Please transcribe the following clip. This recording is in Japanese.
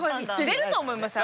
出ると思います